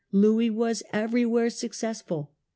Louis was everywhere successful.